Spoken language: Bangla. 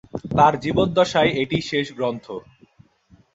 তাঁর জীবদ্দশায় এটিই শেষ গ্রন্থ।